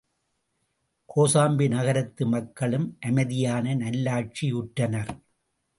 கோசாம்பி நகரத்து மக்களும் அமைதியான நல்லாட்சியுற்றனர்.